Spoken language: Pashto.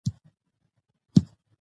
په تکراري ميتود کي مهم نقاط: